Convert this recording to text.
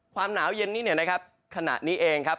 ความหนาวเย็นนี้เนี่ยนะครับขณะนี้เองครับ